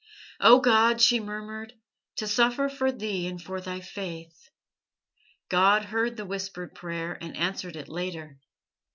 "Oh God," she murmured, "to suffer for Thee and for Thy Faith!" God heard the whispered prayer, and answered it later.